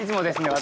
私